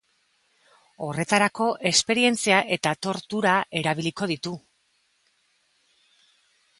Horretarako, esperientzia eta tortura erabiliko ditu.